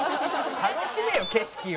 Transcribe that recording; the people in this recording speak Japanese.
「楽しめよ景色を」